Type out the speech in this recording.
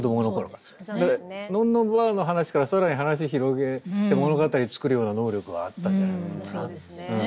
だからのんのんばあの話から更に話を広げて物語作るような能力はあったんじゃないのかな。